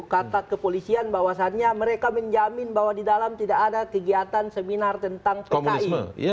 kata kepolisian bahwasannya mereka menjamin bahwa di dalam tidak ada kegiatan seminar tentang pki